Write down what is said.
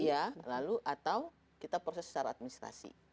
iya lalu atau kita proses secara administrasi